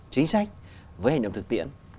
chính sách với hành động thực tiễn